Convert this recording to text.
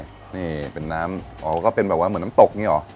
นี่เป็นน้ำอ๋อเหมือนแบบน้ำตกอย่างนี้หรือ